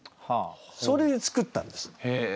それで作ったんです。